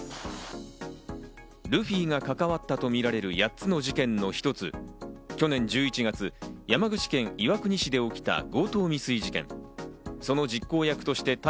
ルフィが関わったとみられる８つの事件の１つ、去年１１月、山口県岩国市で起きた強盗未遂事件。